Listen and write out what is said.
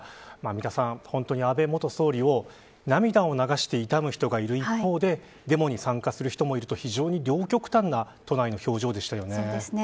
三田さん、本当に安倍元総理を涙を流して悼む人がいる一方でデモに参加する人もいると非常に両極端な都内の表情でしたね。